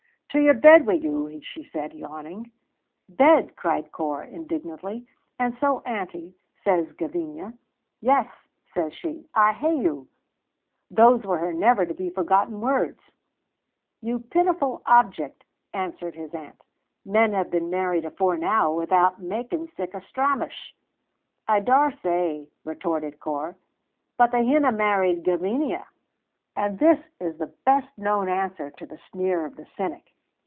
"To your bed wi' you," she said, yawning. "Bed!" cried Corp, indignantly. "And so, auntie, says Gavinia, 'Yes,' says she, 'I'll hae you.' Those were her never to be forgotten words." "You pitiful object," answered his aunt. "Men hae been married afore now without making sic a stramash." "I daursay," retorted Corp; "but they hinna married Gavinia." And this is the best known answer to the sneer of the cynic.